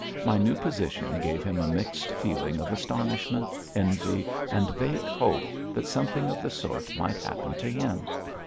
My new position gave him a mixed feeling of astonishment, envy, and vague hope that something of the sort might happen to him.